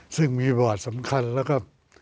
ซึ่งมีบอร์ดสำคัญแล้วก็